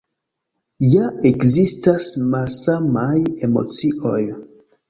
Ja ekzistas malsamaj emocioj.